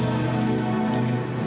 kamu harus sabar